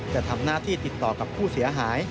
จะทำหน้าที่ติดต่อกับผู้เสียหาย